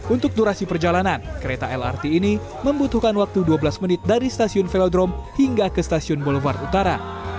untuk durasi perjalanan kereta lrt ini membutuhkan waktu dua belas menit dari stasiun velodrome hingga ke stasiun boulevard utara